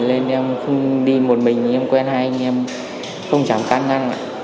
nên em không đi một mình em quen hai anh em không chẳng can năng